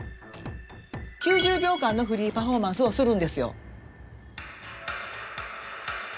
９０秒間のフリーパフォーマンスをするんですよ。